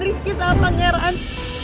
rizky sama pangeran